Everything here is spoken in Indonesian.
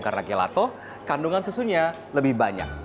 karena gelato kandungan susunya lebih banyak